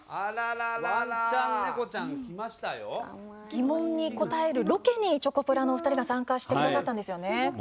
疑問に答えるロケにチョコプラのお二人が参加してくださったんですよね。